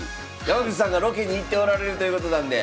山口さんがロケに行っておられるということなんで。